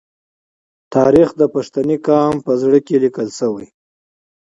تاریخ د پښتني قام په زړه کې لیکل شوی.